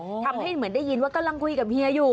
ทำให้เหมือนได้ยินว่ากำลังคุยกับเฮียอยู่